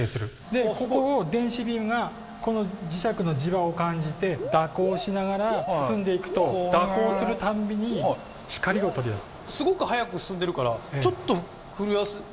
でここを電子ビームが磁石の磁場を感じて蛇行しながら進んでいくと蛇行するたんびに光を取り出す。